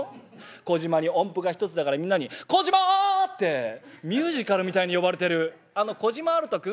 小島に音符が１つだからみんなに『小島』ってミュージカルみたいに呼ばれてるあの小島アルト君？」。